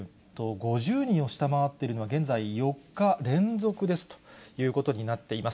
５０人を下回っているのは、現在、４日連続ですということになっています。